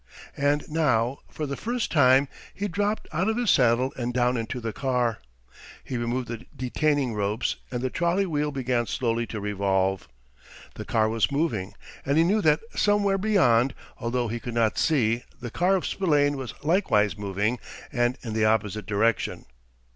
And now, for the first time, he dropped out of his saddle and down into the car. He removed the detaining ropes, and the trolley wheel began slowly to revolve. The car was moving, and he knew that somewhere beyond, although he could not see, the car of Spillane was likewise moving, and in the opposite direction.